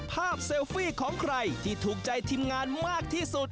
เซลฟี่ของใครที่ถูกใจทีมงานมากที่สุด